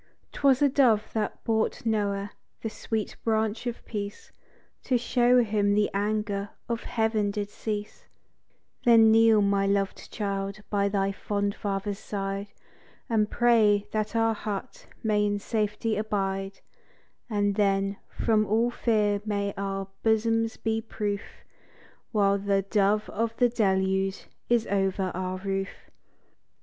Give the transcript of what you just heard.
II 'Twas a dove that brought Noah the sweet branch of peace, To show him the anger of Heaven did cease : Then kneel, my lov'd child, by thy fond father's side, And pray that our hut may in safety abide, And then, from all fear may our bosoms be proof â While the dove of the deluge is over our roof."